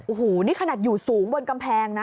โอ้โหนี่ขนาดอยู่สูงบนกำแพงนะ